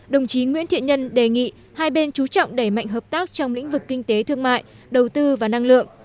đồng chí nguyễn thiện nhân đề nghị hai bên chú trọng đẩy mạnh hợp tác trong lĩnh vực kinh tế thương mại đầu tư và năng lượng